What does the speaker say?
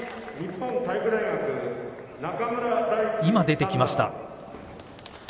今、出てきました。